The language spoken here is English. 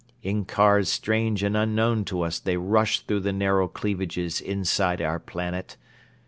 In cars strange and unknown to us they rush through the narrow cleavages inside our planet.